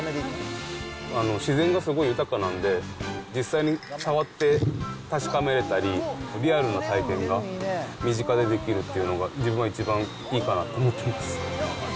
自然がすごい豊かなんで、実際に触って確かめれたり、リアルな体験が身近でできるっていうのが、自分は一番いいかなと思ってます。